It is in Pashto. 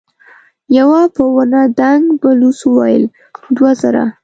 يوه په ونه دنګ بلوڅ وويل: دوه زره.